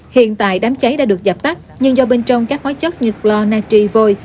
hiện tại đám cháy đã được dập tắt nhưng do bên trong các hóa chất như clon natri vôi